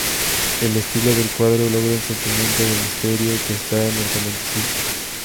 El estilo del cuadro logra un sentimiento de misterio que está en el romanticismo.